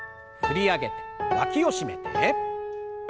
振り上げてわきを締めて。